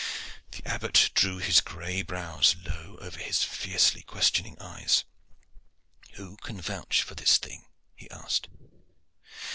The Abbot drew his gray brows low over his fiercely questioning eyes. "Who can vouch for this thing?" he asked.